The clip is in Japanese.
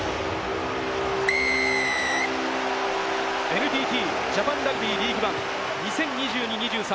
ＮＴＴジャパンラグビーリーグワン２０２２−２０２３